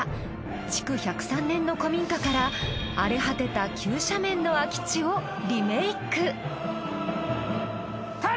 築１０３年の古民家から荒れ果てた急斜面の空き地をリメイク！